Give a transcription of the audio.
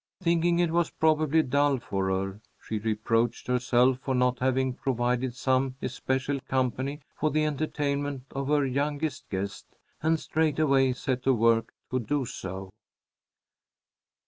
Thinking it was probably dull for her, she reproached herself for not having provided some especial company for the entertainment of her youngest guest, and straightway set to work to do so.